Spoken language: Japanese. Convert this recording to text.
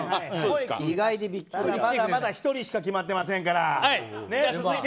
まだまだ１人しか決まってませんから。